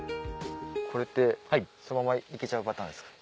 これってそのままいけちゃうパターンですか？